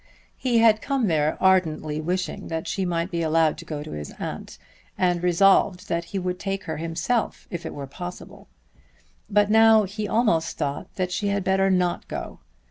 He had come there ardently wishing that she might be allowed to go to his aunt, and resolved that he would take her himself if it were possible. But now he almost thought that she had better not go.